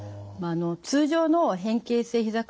通常の変形性ひざ